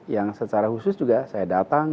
yang secara khusus juga saya datang